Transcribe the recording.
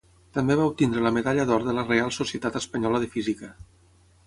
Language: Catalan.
També va obtenir la medalla d’or de la Reial Societat Espanyola de Física.